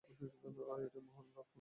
আর এটা মহান লাল পান্ডার বাড়ি।